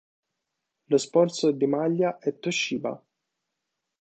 Lo sponsor di maglia è Toshiba.